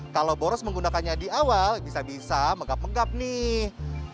kalau boros menggunakannya di awal bisa bisa menggap menggap nih